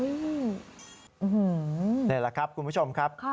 นี่แหละครับคุณผู้ชมครับ